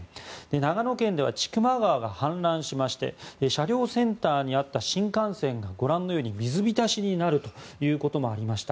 長野県では千曲川が氾濫しまして車両センターにあった新幹線がご覧のように水浸しになることもありました。